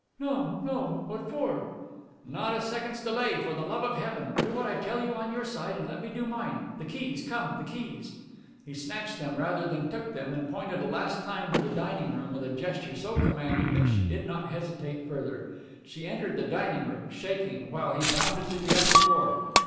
"No, no. What for?" "Not a second's delay, for the love of Heaven. Do what I tell you on your side, and let me do mine. The keys! Come, the keys!" He snatched them rather than took them, and pointed a last time to the dining room with a gesture so commanding that she did not hesitate further. She entered the dining room, shaking, while he bounded to the upper floor.